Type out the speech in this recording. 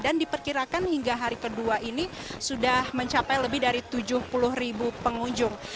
diperkirakan hingga hari kedua ini sudah mencapai lebih dari tujuh puluh ribu pengunjung